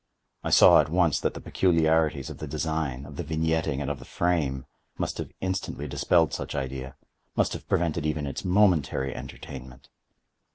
I saw at once that the peculiarities of the design, of the vignetting, and of the frame, must have instantly dispelled such idea—must have prevented even its momentary entertainment.